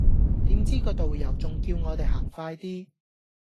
點知個導遊仲叫我哋行快啲